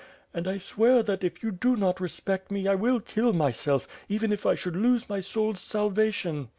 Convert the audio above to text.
"And I swear, that, if you do not respect me, I will kill myself; even if I should lose my soul's salvation!"